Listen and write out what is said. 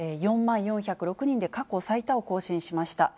４万４０６人で過去最多を更新しました。